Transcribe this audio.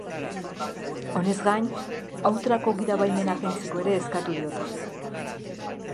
Honez gain, autorako gidabaimena kentzeko ere eskatu diote.